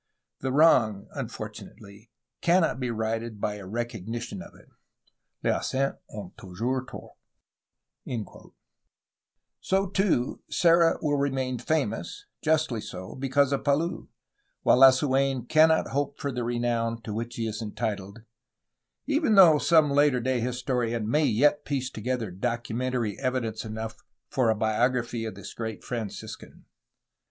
. The wrong, unfortunately, cannot be righted by a recognition of it ... Les absents ont toujour s tort J ^ So too Serra will remain famous (justly so) because of Palou, while Lasu^n cannot hope for the renown to which he is en titled, even though some later day historian may yet piece together documentary evidence enough for a biography of this great Franciscan.